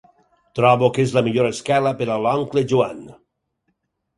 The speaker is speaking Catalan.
Trobo que és la millor esquela per a l'oncle Joan.